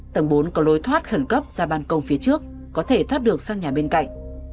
tầng bốn có lối thoát khẩn cấp ra bàn công phía trước có thể thoát được sang nhà bên cạnh